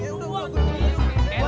enak aja rupa gue